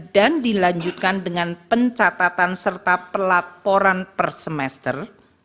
dan dilanjutkan dengan pencatatan serta pelaporan per semester